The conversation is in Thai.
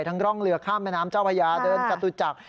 ร่องเรือข้ามแม่น้ำเจ้าพญาเดินจตุจักร